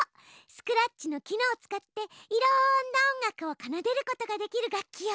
スクラッチの機能を使っていろんな音楽をかなでることができる楽器よ。